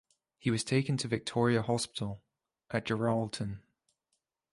He was taken to Victoria Hospital at Geraldton.